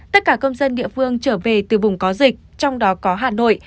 tất cả công dân địa phương trở về từ vùng có dịch trong đó có hà nội